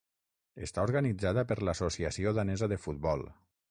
Està organitzada per l'Associació danesa de futbol.